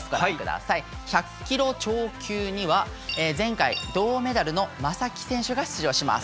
１００キロ超級には前回銅メダルの正木選手が出場します。